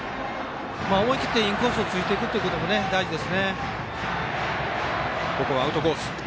思い切ってインコースをついていくということも大事です。